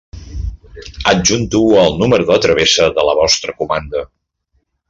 Adjunto el número de tramesa de la vostra comanda.